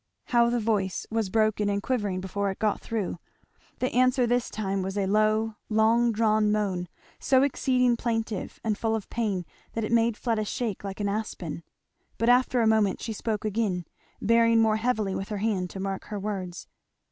How the voice was broken and quivering before it got through! The answer this time was a low long drawn moan, so exceeding plaintive and full of pain that it made Fleda shake like an aspen. But after a moment she spoke again, bearing more heavily with her hand to mark her words.